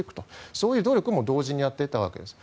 そういう努力も同時にやっていたわけです。